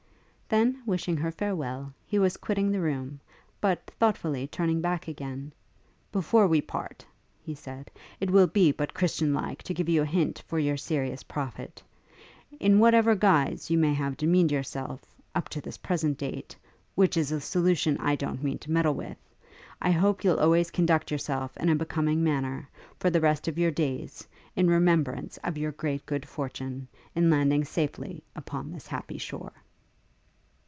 Then, wishing her farewell, he was quitting the room, but, thoughtfully turning back, 'Before we part,' he said, 'it will be but Christian like to give you a hint for your serious profit. In whatever guise you may have demeaned yourself, up to this present date, which is a solution I don't mean to meddle with, I hope you'll always conduct yourself in a becoming manner, for the rest of your days, in remembrance of your great good fortune, in landing safely upon this happy shore.'